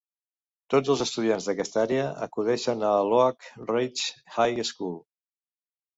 Tots els estudiants d'aquesta àrea acudeixen a l'Oak Ridge High School.